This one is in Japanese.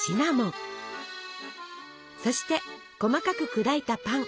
そして細かく砕いたパン。